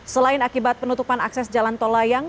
selain akibat penutupan akses jalan tol layang